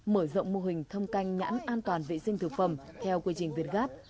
mở rộng mô hình thông canh nhãn an toàn vệ sinh thực phẩm theo quy trình việt gáp